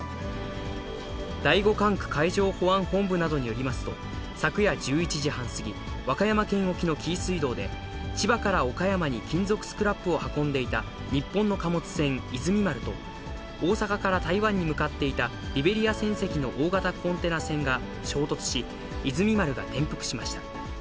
第５管区海上保安本部などによりますと、昨夜１１時半過ぎ、和歌山県沖の紀伊水道で、千葉から岡山に金属スクラップを運んでいた日本の貨物船いずみ丸と、大阪から台湾に向かっていたリベリア船籍の大型コンテナ船が衝突し、いずみ丸が転覆しました。